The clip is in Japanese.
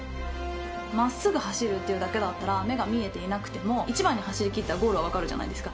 まっすぐ走るってだけだったら、目が見えていなくても、１番に走りきったらゴールは分かるじゃないですか。